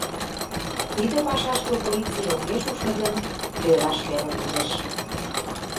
Тиде пашашке полиций огеш ушно гын, ӧраш веле кодеш.